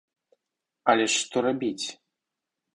Але ж што рабіць?